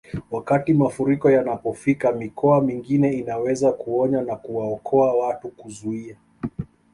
Wakati mafuriko yanapofika mikoa mingine inaweza kuonya na kuwaokoa watu kuzuia